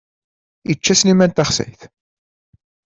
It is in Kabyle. Yečča Sliman taxsayt!